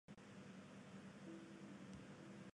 私は日本人だ